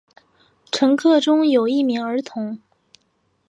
乘客中有一名儿童。